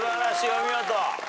お見事。